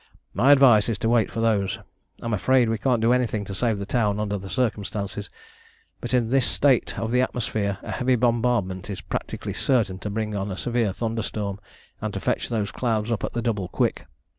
My advice is to wait for those. I'm afraid we can't do anything to save the town under the circumstances, but in this state of the atmosphere a heavy bombardment is practically certain to bring on a severe thunderstorm, and to fetch those clouds up at the double quick.